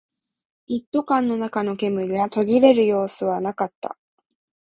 一斗缶の中の煙は途切れる様子はなかった